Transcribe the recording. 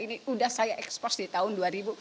ini sudah saya ekspos di tahun dua ribu enam belas